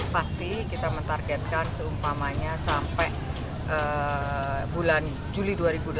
pasti kita mentargetkan seumpamanya sampai bulan juli dua ribu dua puluh